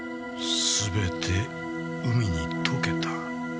全て海に溶けた。